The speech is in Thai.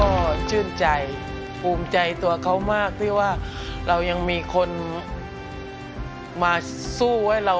ก็ชื่นใจภูมิใจตัวเขามากที่ว่าเรายังมีคนมาสู้ไว้เรา